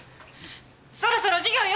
そろそろ授業よ。